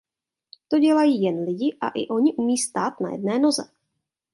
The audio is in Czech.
To dělají jen lidi a i oni umí stát na jedné noze.